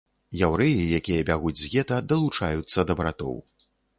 Яўрэі, якія бягуць з гета, далучаюцца да братоў.